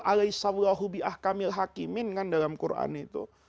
alayhissalahu bi'ah kamil haqimin kan dalam quran itu